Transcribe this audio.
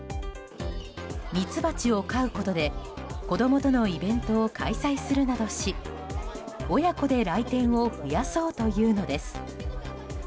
ミツバチを飼うことで子供とのイベントを開催するなどし親子で来店を増やそうというのです。